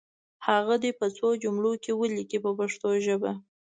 هغه دې په څو جملو کې ولیکي په پښتو ژبه.